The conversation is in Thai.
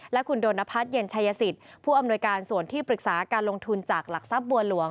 และคุณโดนนพัฒน์เย็นชัยสิทธิ์ผู้อำนวยการส่วนที่ปรึกษาการลงทุนจากหลักทรัพย์บัวหลวง